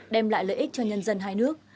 đem lại lợi ích cho nhân dân hai nước